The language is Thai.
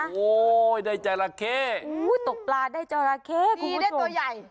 โอ้โหได้จราเข้ตกปลาได้จราเข้คีได้ตัวใหญ่